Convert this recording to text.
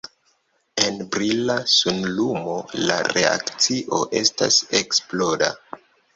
En brila sunlumo la reakcio estas eksploda.